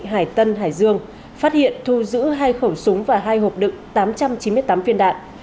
hải tân hải dương phát hiện thu giữ hai khẩu súng và hai hộp đựng tám trăm chín mươi tám viên đạn